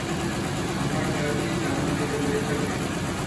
আমার গান কি ডানা মেলে উড়ে যাবে।